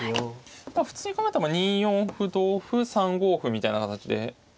普通に考えたら２四歩同歩３五歩みたいな形で。